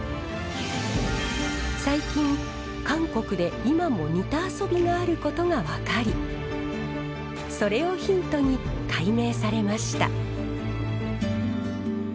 最近韓国で今も似た遊びがあることが分かりそれをヒントに解明されました。